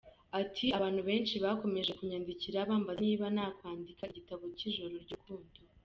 Ati « Abantu benshi bakomeje kunyandikira bambaza niba nakwandika igitabo cy’ijoro ry’urukundo.